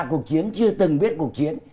cuộc chiến chưa từng biết cuộc chiến